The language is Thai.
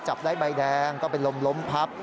จับได้ใบแดงก็เป็นลมล้มพับ